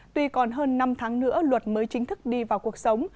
tuy còn hơn năm tháng nữa luật mới chính thức đi vào cuộc sống